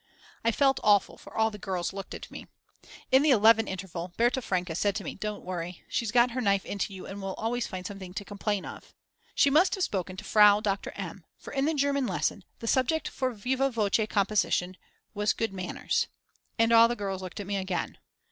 I felt awful for all the girls looked at me. In the 11 interval Berta Franke said to me: Don't worry, she's got her knife into you and will always find something to complain of. She must have spoken to Frau Doktor M., for in the German lesson the subject for viva voce composition was Good Manners. And all the girls looked at me again.